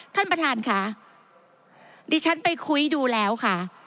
ท่านประธานค่ะดิฉันไปคุยดูแล้วค่ะ